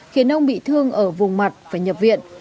khiến ông bị thương ở vùng mặt và nhập viện